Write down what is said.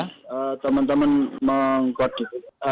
kemudian teman teman mengkode